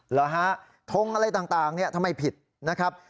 หรือฮะท้องอะไรต่างทำไมผิดนะครับ